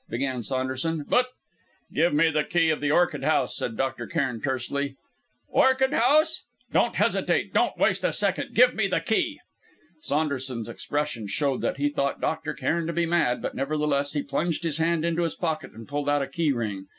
began Saunderson, "but " "Give me the key of the orchid house!" said Dr. Cairn tersely. "Orchid house! " "Don't hesitate. Don't waste a second. Give me the key." Saunderson's expression showed that he thought Dr. Cairn to be mad, but nevertheless he plunged his hand into his pocket and pulled out a key ring.